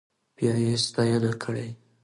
بيا يې ستاينه کړې.